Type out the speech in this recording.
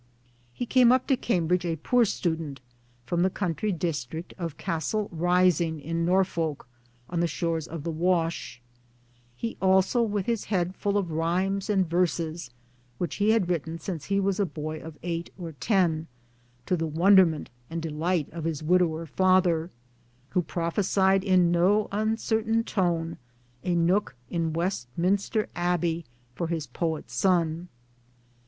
He came up to Cambridge, a poor student from the country district of Castle Rising in Norfolk, on the shores of the Wash he also with his head full of rhymes and verses, which he had written since he was a boy of eight or ten, to the wonderment and delight of his widower father, who prophesied in no uncertain tone, a nook in West minster Abbey for his poet son.